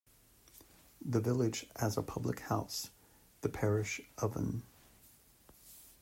The village has a public house, the "Parish Oven".